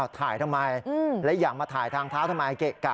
ทำไมและอยากมาถ่ายทางเท้าทำไมเกะกะ